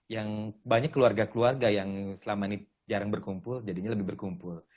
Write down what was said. yang banyak keluarga keluarga yang selama ini jarang berkumpul jadinya lebih berkumpul